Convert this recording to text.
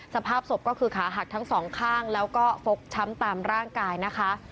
สภาพศพก็คือขาหักทั้งสองข้างแล้วก็ฟกช้ำตามร่างกายนะคะ